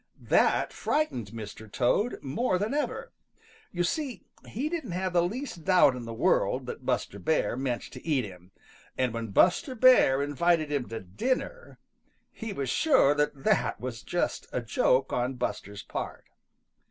That frightened Mr. Toad more than ever. You see he didn't have the least doubt in the world that Buster Bear meant to eat him, and when Buster invited him to dinner, he was sure that that was just a joke on Buster's part.